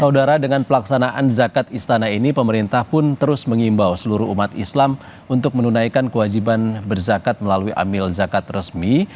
saudara dengan pelaksanaan zakat istana ini pemerintah pun terus mengimbau seluruh umat islam untuk menunaikan kewajiban berzakat melalui amil zakat resmi